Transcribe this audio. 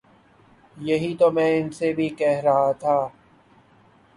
یہی تو میں ان سے بھی کہہ رہا تھا